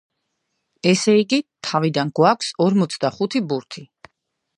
ესე იგი, თავიდან გვაქვს ორმოცდახუთი ბურთი.